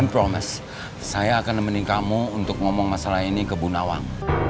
i promise saya akan nemenin kamu untuk ngomong masalah ini ke bu nawang